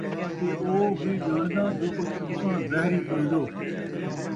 تے او وی ڄاݨداں جو کُجھ تُساں ظاہری کریندو،